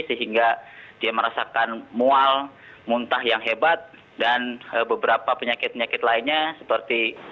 sehingga dia merasakan mual muntah yang hebat dan beberapa penyakit penyakit lainnya seperti